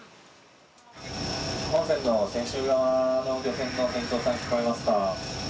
本船の船首側の漁船の船長さん、聞こえますか？